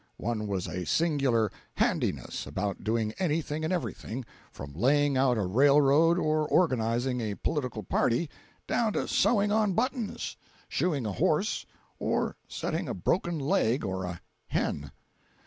One was a singular "handiness" about doing anything and everything, from laying out a railroad or organizing a political party, down to sewing on buttons, shoeing a horse, or setting a broken leg, or a hen.